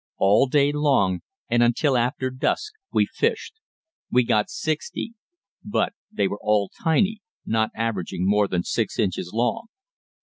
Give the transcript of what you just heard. All day long, and until after dusk, we fished. We got sixty. But they were all tiny, not averaging more than six inches long.